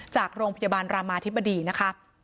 จากโรงพยาบาลรามาธิบดีนะคะ